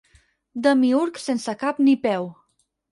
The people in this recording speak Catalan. Demiürg sense cap ni peu.